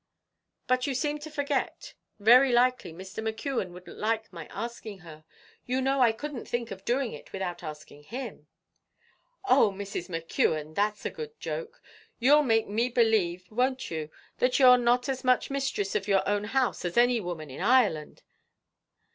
"But you seem to forget very likely Mr. McKeon wouldn't like my asking her; you know I couldn't think of doing it without asking him." "Oh! Mrs. McKeon, that's a good joke! You'll make me believe, won't you, that you're not as much mistress of your own house as any woman in Ireland?